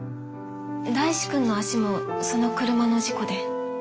大志くんの足もその車の事故で？